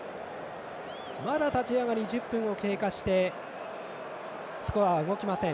まだ立ち上がり１０分を経過してスコアは動きません。